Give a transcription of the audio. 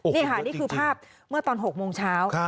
นี่ค่ะนี่คือภาพเมื่อตอน๖โมงเช้า